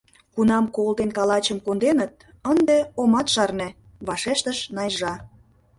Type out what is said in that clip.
— Кунам кол ден калачым конденыт, ынде омат шарне, — вашештыш Найжа.